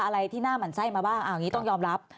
อะไรที่หน้ามันไส้มาบ้างต้องยอมรับ